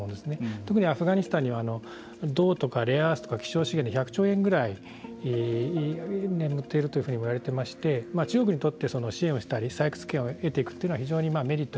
特にアフガニスタンには銅とかレアアースとか希少資源で１００兆円ぐらい眠っているというふうに言われてまして中国にとって支援をしたり採掘権を得ていくというのは非常にメリットがあると。